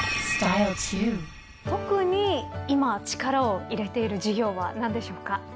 特に今力を入れている事業は何でしょうか？